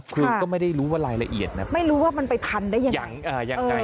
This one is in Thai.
คือก็ไม่ได้รู้ว่ารายละเอียดนะไม่รู้ว่ามันไปทันได้ยังไง